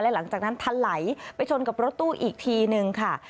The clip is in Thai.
หลังจากนั้นทะไหลไปชนกับรถตู้อีกทีนึงค่ะ